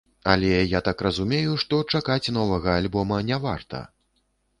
Але, я так разумею, што чакаць новага альбома не варта?